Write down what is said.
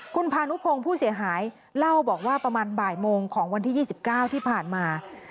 คุณพานุพงศ์ผู้เสียหายเล่าบอกว่าประมาณบ่ายโมงของวันที่๒๙ที่ผ่านมา